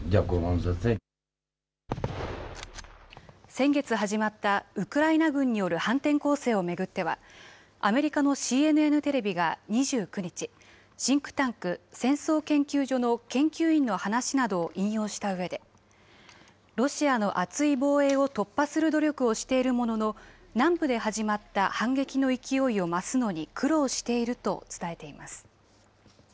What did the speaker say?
先月始まったウクライナ軍による反転攻勢を巡っては、アメリカのＣＮＮテレビが２９日、シンクタンク戦争研究所の研究員の話などを引用したうえで、ロシアの厚い防衛を突破する努力をしているものの、南部で始まった反撃の勢いを増すのに苦労していると伝えています。